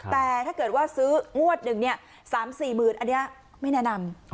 แต่ถ้าเกิดว่าซื้องวดหนึ่ง๓๔หมื่นอันนี้ไม่แนะนำ